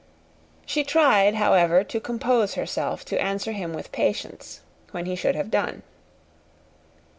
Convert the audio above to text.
She tried, however, to compose herself to answer him with patience, when he should have done.